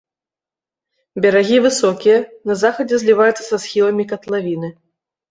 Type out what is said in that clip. Берагі высокія, на захадзе зліваюцца са схіламі катлавіны.